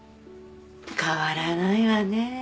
変わらないわねえ